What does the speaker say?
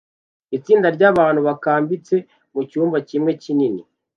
Itsinda ryabantu bakambitse mucyumba kimwe kinini